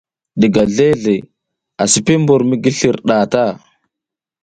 Diga zleʼzle ara sipi mbur mi gi slir nɗah ta.